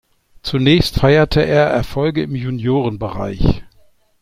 Zunächst feierte er Erfolge im Juniorenbereich.